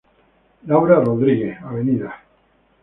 Laura Rodríguez, Av.